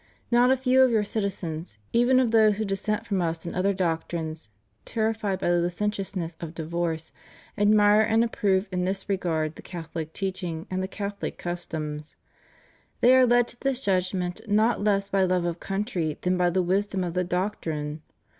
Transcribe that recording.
Not a few of your citizens, even of those who dissent from us in other doctrines, terrified by the licentiousness of divorce, admire and approve in this regard the Catholic teaching and the Catholic customs. They are led to this judgment not less by love of country than by the wisdom of the doctrine.